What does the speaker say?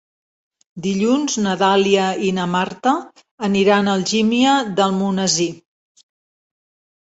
Dilluns na Dàlia i na Marta aniran a Algímia d'Almonesir.